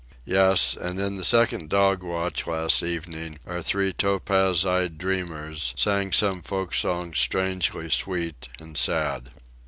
Yes, and in the second dog watch last evening our three topaz eyed dreamers sang some folk song strangely sweet and sad.